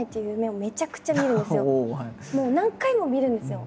もう何回も見るんですよ。